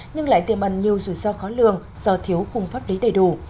nhưng lại tiềm ẩn nhiều rủi ro khó lường do thiếu khung pháp lý đầy đủ